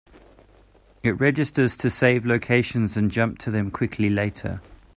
It registers to save locations and jump to them quickly later.